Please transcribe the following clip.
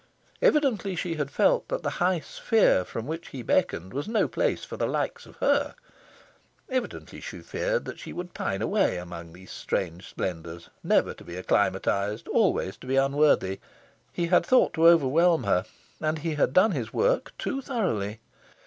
Evidently, she had felt that the high sphere from which he beckoned was no place for the likes of her. Evidently, she feared she would pine away among those strange splendours, never be acclimatised, always be unworthy. He had thought to overwhelm her, and he had done his work too thoroughly.